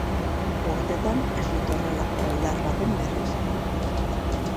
Urtetan ez dut horrelako oldar baten berri izan.